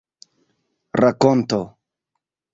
rakonto